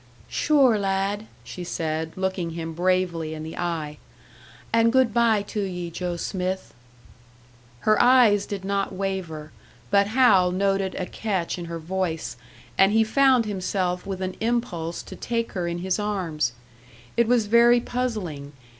"Sure lad," she said, looking him bravely in the eye, "and good bye to ye, Joe Smith." Her eyes did not waver; but Hal noted a catch in her voice, and he found himself with an impulse to take her in his arms. It was very puzzling.